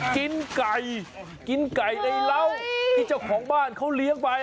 กินไก่กินไก่ในเหล้าที่เจ้าของบ้านเขาเลี้ยงไป